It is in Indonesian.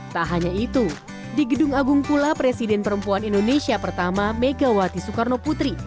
tak hanya itu di gedung agung pula presiden perempuan indonesia pertama megawati soekarno putri